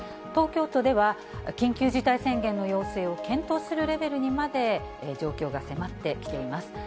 東京都では、緊急事態の要請を検討するレベルにまで状況が迫ってきています。